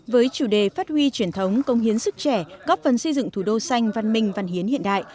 với chủ đề phát huy truyền thống công hiến sức trẻ góp phần xây dựng thủ đô xanh văn minh văn hiến hiện đại